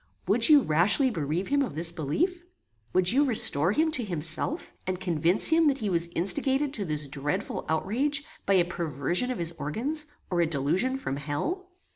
Would you rashly bereave him of this belief? Would you restore him to himself, and convince him that he was instigated to this dreadful outrage by a perversion of his organs, or a delusion from hell?